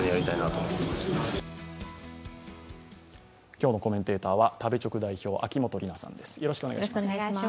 今日のコメンテーターは食べチョク、秋元里奈さんです。